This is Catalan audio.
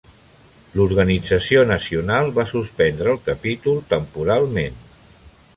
L'organització nacional va suspendre el capítol temporalment.